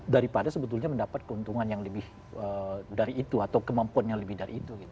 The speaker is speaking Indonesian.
daripada sebetulnya mendapat keuntungan yang lebih dari itu atau kemampuan yang lebih dari itu